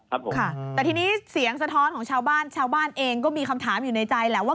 ครับผมค่ะแต่ทีนี้เสียงสะท้อนของชาวบ้านชาวบ้านเองก็มีคำถามอยู่ในใจแหละว่า